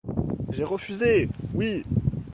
J'ai refusé, oui.